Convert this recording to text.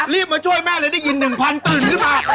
รีบมาช่วยแม่เลยได้ยินนิยวพันธุ์ตื่นขึ้นมา